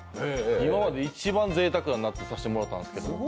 今まで一番ぜいたくさせてもらったんですけど。